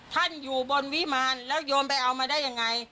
ท่านอยู่บนวิมารแล้วโยมไปเอามาได้ยังไง